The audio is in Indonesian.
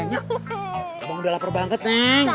nyok abang udah lapar banget neng